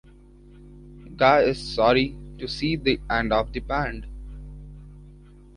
Guy is sorry to see the end of the band.